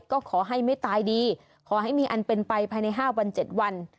ก็ขอให้ไม่ตายดีขอให้มีอันเป็นไปภายใน๕วัน๗วัน